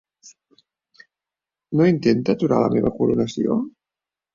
No intenta aturar la meva coronació!?